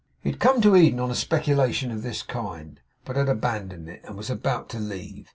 He had come to Eden on a speculation of this kind, but had abandoned it, and was about to leave.